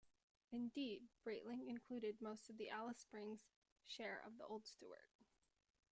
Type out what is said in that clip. Indeed, Braitling included most of the Alice Springs share of the old Stuart.